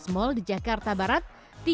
empat belas mal di jakarta barat